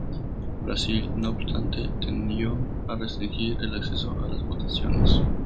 Brasil, no obstante, tendió a restringir el acceso a las votaciones.